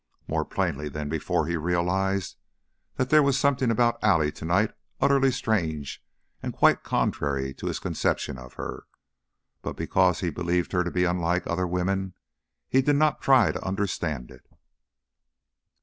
More plainly than before he realized that there was something about Allie to night utterly strange and quite contrary to his conception of her, but, because he believed her to be unlike other women, he did not try to understand it.